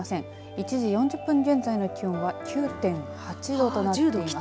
１時４０分現在の気温は９．８度となっています。